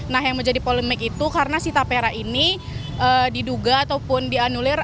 nah yang menjadi polemik itu karena si tapera ini diduga ataupun dianulir